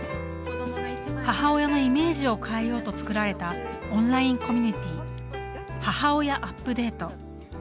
母親のイメージを変えようと作られたオンラインコミュニティ母親アップデート。